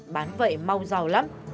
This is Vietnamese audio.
bán vậy mau giàu lắm